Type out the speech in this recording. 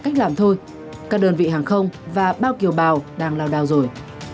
các đơn vị hàng không và bao kiều bào đang lao đao rồi